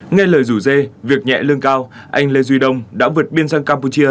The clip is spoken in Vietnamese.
nghe lời rủ dê việc nhẹ lương cao anh lê duy đông đã vượt biên sang campuchia